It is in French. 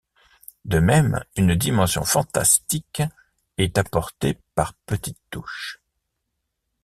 De même, une dimension fantastique est apportée par petites touches.